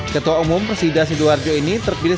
ketua umum persida sidoarjo ini terpilih